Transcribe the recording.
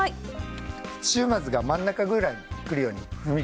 土踏まずが真ん中ぐらいに来るように踏み込んでいきます。